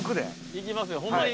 いきますよホンマに。